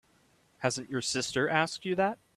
Hasn't your sister asked you that?